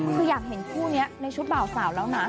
คืออยากเห็นคู่นี้ในชุดบ่าวสาวแล้วนะ